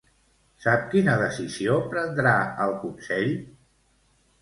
Sap quina decisió prendrà el Consell?